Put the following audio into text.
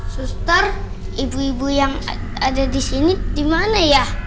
suster ibu ibu yang ada di sini di mana ya